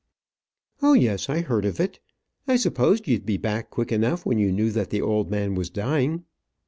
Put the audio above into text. "Oh, yes; I heard of it. I supposed you'd be back quick enough when you knew that the old man was dying."